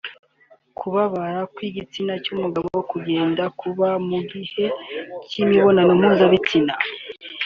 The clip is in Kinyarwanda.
Kubabara kw’igistina cy’umugabo kugenda kuba mu gihe cy’imibonano mpuzabitsina